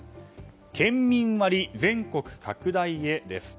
県民割、全国拡大へです。